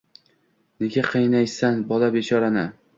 Nega qiynaysan bola bechorani?